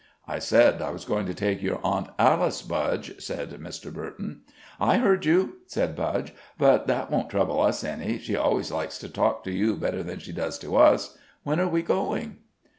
"I said I was going to take your Aunt Alice, Budge," said Mr. Burton. "I heard you," said Budge, "but that won't trouble us any. She always likes to talk to you better than she does to us. When are we going?"